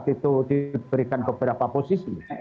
itu diberikan beberapa posisi